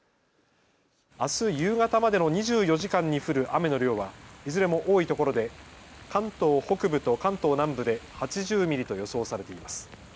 あす夕方までの２４時間に降る雨の量はいずれも多いところで関東北部と関東南部で８０ミリと予想されています。